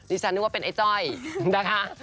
ฉันนึกว่าเป็นไอ้จ้อยนะคะ